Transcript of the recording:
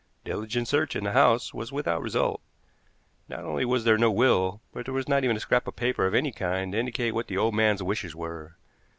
Diligent search in the house was without result. Not only was there no will, but there was not even a scrap of paper of any kind to indicate what the old man's wishes were.